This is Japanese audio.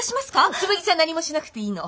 紬ちゃん何もしなくていいの。